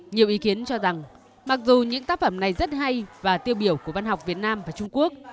nhiều ý kiến cho rằng mặc dù những tác phẩm này rất hay và tiêu biểu của văn học việt nam và trung quốc